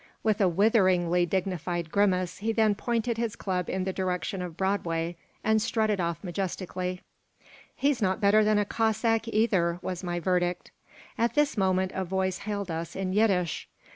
With a witheringly dignified grimace he then pointed his club in the direction of Broadway and strutted off majestically "He's not better than a Cossack, either," was my verdict At this moment a voice hailed us in Yiddish.